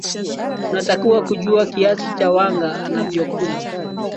unatakiwa kujua kiasi cha wanga unayokula